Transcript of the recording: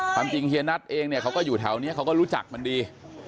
ความจริงเฮียนัทเองเนี่ยเขาก็อยู่แถวนี้เขาก็รู้จักมันดี